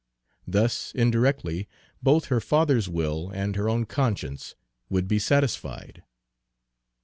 Thus indirectly both her father's will and her own conscience would be satisfied.